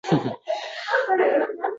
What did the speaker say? bering, — dedi.